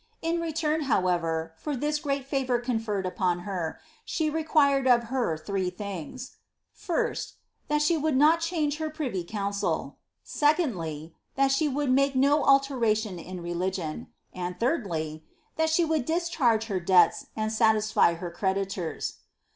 In iftum, however, for this great favour conferred upon her, she required of her three things : first, ' that she would not change her privy coun cil;' secondly, 'that she would make no alteration in religion;' and, thirdly, ' that she would discharge her debts, and satisfy her creditors.'